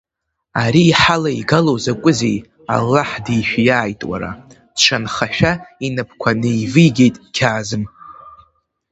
Ари иҳалеигало закәызеи, аллаҳ дишәиааит, уара, дшанхашәа инапқәа неивигеит Қьаазым.